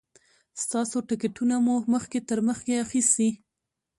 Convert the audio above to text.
ستاسو ټکټونه مو مخکې تر مخکې اخیستي.